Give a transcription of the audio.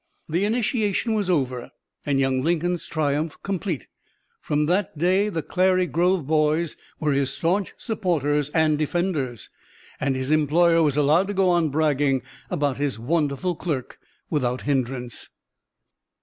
The initiation was over, and young Lincoln's triumph complete. From that day "the Clary's Grove Boys" were his staunch supporters and defenders, and his employer was allowed to go on bragging about his wonderful clerk without hindrance.